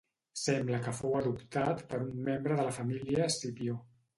Sembla que fou adoptat per un membre de la família Escipió.